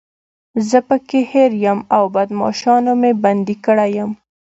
زه پکې هیرو یم او بدماشانو مې بندي کړی یم.